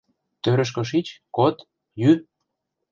Тӧрышкӧ шич, код, йӱ!